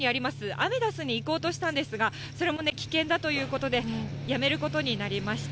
アメダスに行こうとしたんですが、それも危険だということで、やめることになりました。